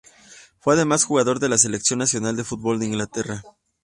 Fue además, jugador de la Selección nacional de fútbol de Inglaterra.